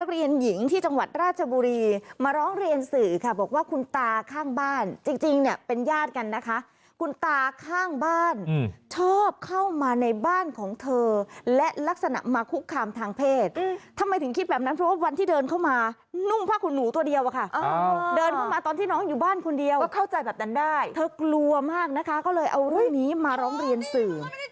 ที่จังหวัดราชบุรีมาร้องเรียนสื่อค่ะบอกว่าคุณตาข้างบ้านจริงเนี่ยเป็นญาติกันนะคะคุณตาข้างบ้านชอบเข้ามาในบ้านของเธอและลักษณะมาคุกคามทางเพศทำไมถึงคิดแบบนั้นเพราะว่าวันที่เดินเข้ามานุ่งผ้าขุนหนูตัวเดียวอะค่ะเดินเข้ามาตอนที่น้องอยู่บ้านคนเดียวก็เข้าใจแบบนั้นได้เธอกลัวมากนะคะก็เลยเอาเรื่องนี้มาร้องเรียนสื่อ